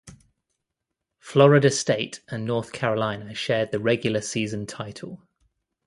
Florida State and North Carolina shared the regular season title.